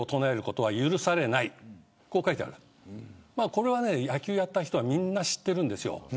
これは野球をやった人はみんな知っているんですよ。